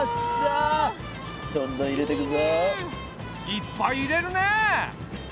いっぱい入れるねえ。